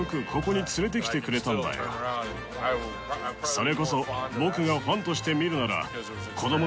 それこそ。